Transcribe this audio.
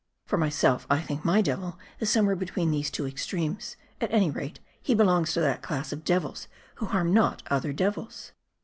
For myself, I think my devil is some where between these two extremes ; at any rate, he belongs to that class of devils who harm not other devils."